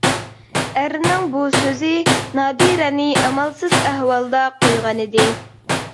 ئەرنىڭ بۇ سۆزى نادىرەنى ئامالسىز ئەھۋالدا قويغانىدى.